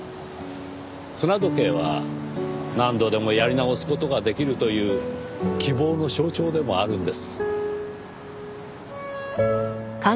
砂時計は何度でもやり直す事ができるという希望の象徴でもあるんです。